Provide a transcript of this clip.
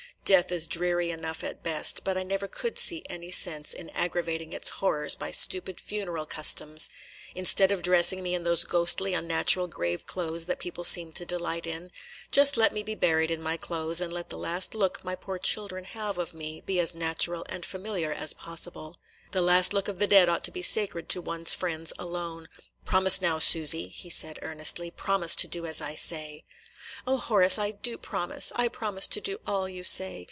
Death is dreary enough at best, but I never could see any sense in aggravating its horrors by stupid funeral customs. Instead of dressing me in those ghostly, unnatural grave clothes that people seem to delight in, just let me be buried in my clothes and let the last look my poor children have of me be as natural and familiar as possible. The last look of the dead ought to be sacred to one's friends alone. Promise, now, Susy" he said earnestly, "promise to do as I say." "O Horace, I do promise, – I promise to do all you say.